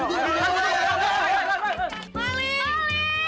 dengar disana ya